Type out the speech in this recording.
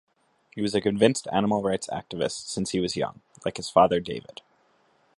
He was a convinced animal-rights activist since he was young, like his father David.